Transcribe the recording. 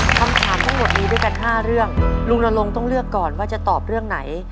คำถามทั้งหมดมีด้วยกัน๕เรื่องลุงนรงค์ต้องเลือกก่อนว่าจะตอบเรื่องไหน